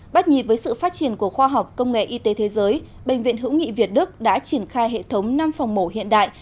bắt nhịp với sự phát triển của khoa học công nghệ y tế thế giới bệnh viện hữu nghị việt đức đã triển khai hệ thống năm phòng mổ hiện đại